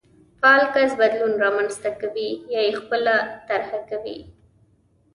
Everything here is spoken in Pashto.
فعال کس بدلون رامنځته کوي يا يې خپله طرحه کوي.